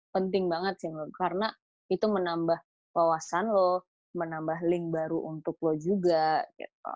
penting banget sih karena itu menambah wawasan lo menambah link baru untuk lo juga gitu